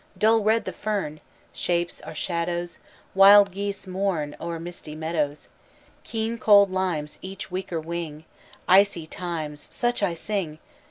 "Dull red the fern; Shapes are shadows; Wild geese mourn O'er misty meadows. "Keen cold limes each weaker wing, Icy times Such I sing!